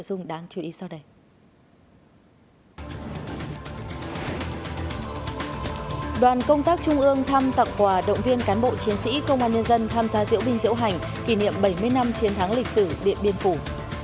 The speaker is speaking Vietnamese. các trung ương thăm tặng quà động viên cán bộ chiến sĩ công an nhân dân tham gia diễu binh diễu hành kỷ niệm bảy mươi năm chiến thắng lịch sử điện biên phủ